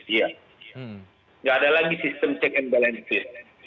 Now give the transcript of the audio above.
tidak ada lagi sistem check and balances